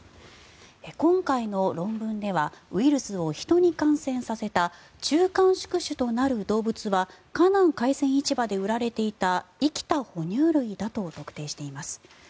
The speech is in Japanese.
今回の論文ではウイルスを人に感染させた中間宿主となる動物は華南海鮮市場で売られていた生きた哺乳類だと特定しています。